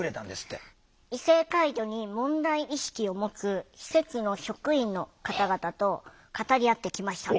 異性介助に問題意識を持つ施設の職員の方々と語り合ってきました。